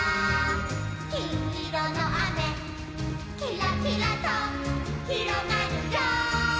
「きんいろのあめ」「キラキラとひろがるよ」